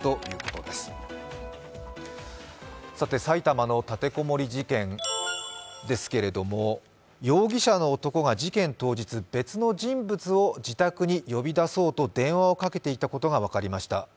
埼玉の立てこもり事件ですけれども容疑者の男が事件当日、別の人物を自宅に呼び出そうと電話をかけていたことが分かりました。